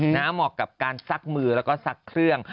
เหมาะกับการซักมือแล้วก็ซักเครื่อง